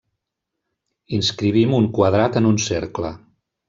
Inscrivim un quadrat en un cercle.